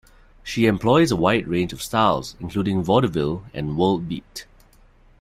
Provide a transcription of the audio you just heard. She employs a wide range of styles, including vaudeville and world beat.